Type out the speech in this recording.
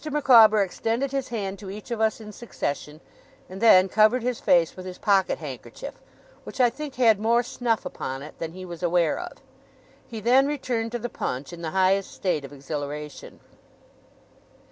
Micawber extended his hand to each of us in succession, and then covered his face with his pocket handkerchief, which I think had more snuff upon it than he was aware of. He then returned to the punch, in the highest state of exhilaration.